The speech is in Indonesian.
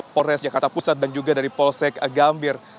polres jakarta pusat dan juga dari polsek gambir